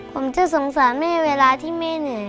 ผมจะสงสารแม่เวลาที่แม่เหนื่อย